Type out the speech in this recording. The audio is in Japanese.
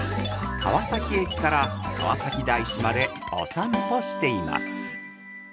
◆川崎駅から川崎大師までお散歩しています。